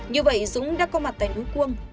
như vậy dũng đã có mặt tại núi cuông